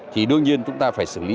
thì đương nhiên chúng ta phải xử lý